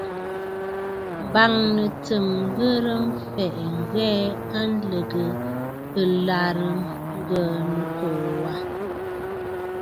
M̀bâŋnə̌ tsɨm ghɨrə mfɛ̀ʼɛ̀ ŋ̀hɛɛ a lɨ̀gə ɨlàrə Ŋgə̀ə̀ Nɨkòò wâ.